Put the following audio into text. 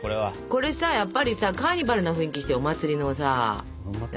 これさやっぱりさカーニバルな雰囲気にしてよ。